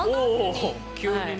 急にね。